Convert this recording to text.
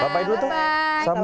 bapak idul tuh sama